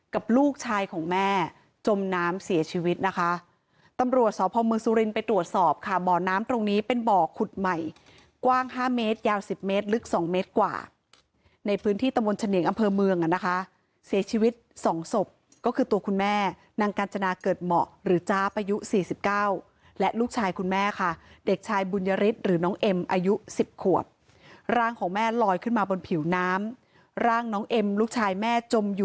ตั้งตรงนี้เป็นบ่อขุดใหม่กว้าง๕เมตรยาว๑๐เมตรลึก๒เมตรกว่าในพื้นที่ตะมนต์ฉะเนียงอำเภอเมืองนะคะเสียชีวิต๒ศพก็คือตัวคุณแม่นางกาญจนาเกิดเหมาะหรือจาบอายุ๔๙และลูกชายคุณแม่ค่ะเด็กชายบุญยฤทธิ์หรือน้องเอ็มอายุ๑๐ขวบร่างของแม่ลอยขึ้นมาบนผิวน้ำร่างน้องเอ็มลูกชายแ